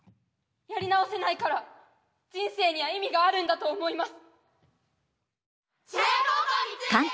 やり直せないから人生には意味があるんだと思います！